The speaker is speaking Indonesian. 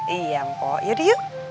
iya mpok yuk yuk